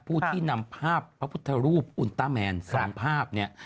ผู้ที่นำภาพพระพุทธรูปอุณต้าแมนสองภาพเนี่ย